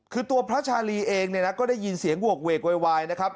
คือตัวพระชาลีเองเนี่ยนะก็ได้ยินเสียงโหกเวกโวยวายนะครับ